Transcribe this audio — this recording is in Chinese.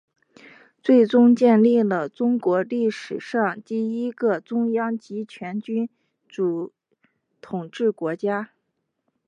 最终建立了中国历史上第一个中央集权君主统治国家。